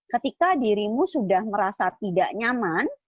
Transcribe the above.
ketika dirimu sudah merasa tidak nyaman